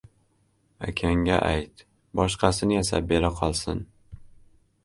— Akangga ayt, boshqasini yasab bera qolsin.